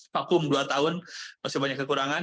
vakum dua tahun masih banyak kekurangan